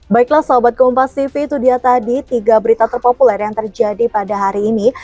baiklah sahabat kompas cv itu dia tadi tiga berita terpopuler yang terjadi pada hari ini